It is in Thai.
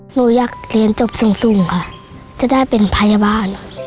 หนูอยากเรียนจบสูงค่ะจะได้เป็นพยาบาล